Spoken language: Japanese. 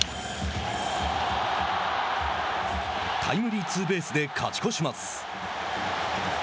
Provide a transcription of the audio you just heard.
タイムリーツーベースで勝ち越します。